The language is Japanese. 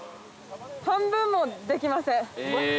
半分もできません。